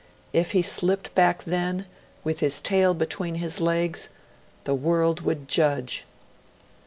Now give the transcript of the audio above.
If he slipped back then, with his tail between his legs ! The world would judge.